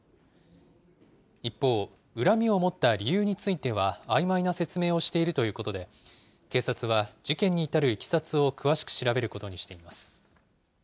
一方、恨みを持った理由については、あいまいな説明をしているということで、警察は事件に至るいきさつを詳しく調べることにしています。